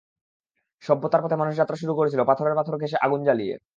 সভ্যতার পথে মানুষ যাত্রা শুরু করেছিল পাথরে পাথর ঘঁষে আগুন জ্বালিয়ে।